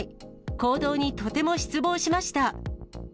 行動にとても失望しました。